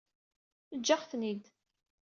Eǧǧ-aɣ-ten-id